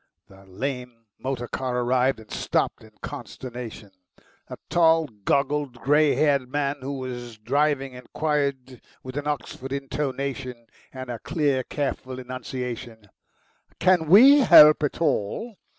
The lame motor car arrived, and stopped in consternation. A tall, goggled, grey haired man who was driving inquired with an Oxford intonation and a clear, careful enunciation, "Can WE help at all?"